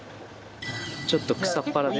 ちょっと草っぱらで。